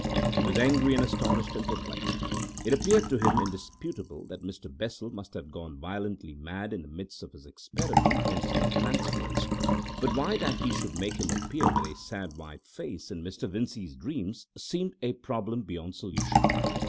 He was angry and astonished and perplexed. It appeared to him indisputable that Mr. Bessel must have gone violently mad in the midst of his experiment in thought transference, but why that should make him appear with a sad white face in Mr. Vincey's dreams seemed a problem beyond solution.